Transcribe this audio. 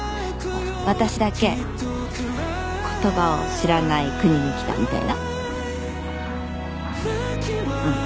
私だけ言葉を知らない国に来たみたいな。